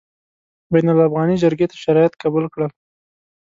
بین الافغاني جرګې شرایط قبول کړل.